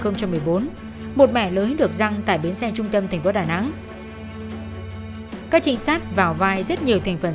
một mẻ lưới được răng tại bến xe trung tâm thành phố đà nẵng các trinh sát vào vai rất nhiều thành phần